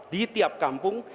di tiap kampung